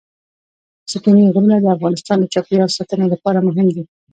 ستوني غرونه د افغانستان د چاپیریال ساتنې لپاره مهم دي.